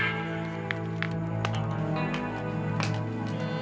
tete mau ke rumah